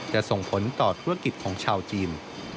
ส่งผลต่อธุรกิจของชาวจีน